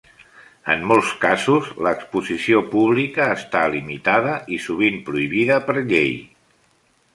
En molts casos, l'exposició pública està limitada, i sovint prohibida per llei.